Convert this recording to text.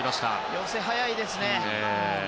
寄せが早いですね。